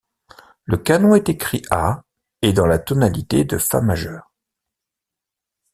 Le canon est écrit à et dans la tonalité de fa majeur.